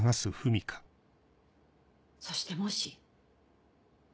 そしてもし。